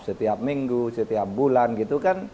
setiap minggu setiap bulan gitu kan